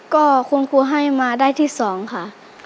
ก็คุณครูให้มาได้ที่๒ค่ะ